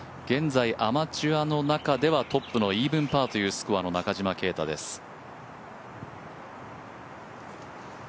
現在、アマチュアの中ではトップのイーブンパーというスコアの中島啓太です。